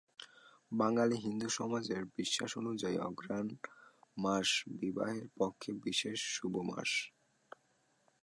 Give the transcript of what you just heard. বাঙালি হিন্দু সমাজের বিশ্বাস অনুযায়ী, অগ্রহায়ণ মাস বিবাহের পক্ষে বিশেষ শুভ মাস।